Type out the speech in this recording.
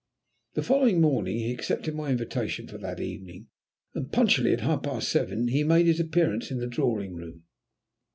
The following morning he accepted my invitation for that evening, and punctually at half past seven he made his appearance in the drawing room.